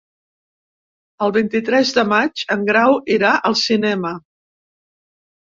El vint-i-tres de maig en Grau irà al cinema.